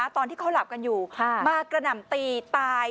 ตอนที่เขาหลับกันอยู่มากระหน่ำตีตาย